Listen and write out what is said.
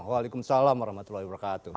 waalaikumsalam warahmatullahi wabarakatuh